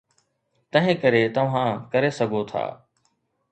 تنهنڪري توهان ڪري سگهو ٿا.